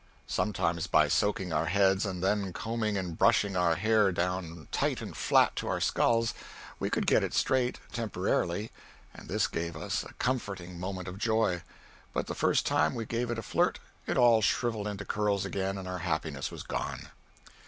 Sometimes, by soaking our heads and then combing and brushing our hair down tight and flat to our skulls, we could get it straight, temporarily, and this gave us a comforting moment of joy; but the first time we gave it a flirt it all shrivelled into curls again and our happiness was gone.